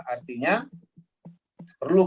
artinya perlu kita